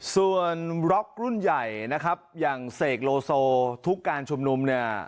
ส่วนบล็อกรุ่นใหญ่นะครับอย่างเสกโลโซทุกการชุมนุมเนี่ย